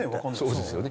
そうですよね。